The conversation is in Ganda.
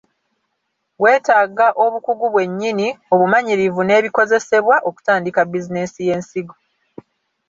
Weetaaga obukugu bwenyini, obumanyirivu n’ebikozesebwa okutandika bizinensi y’ensigo.